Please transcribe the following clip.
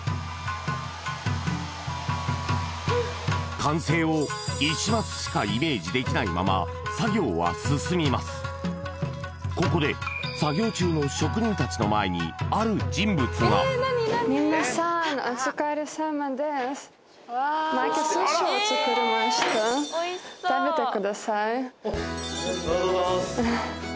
完成を石松しかイメージできないままここで作業中の職人たちの前にある人物が・ありがとうございます